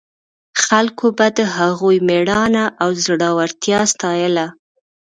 خلکو به د هغوی مېړانه او زړورتیا ستایله.